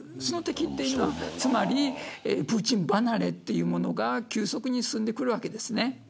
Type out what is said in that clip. その敵というのはつまりプーチン離れというものが急速に進んでくるわけですね。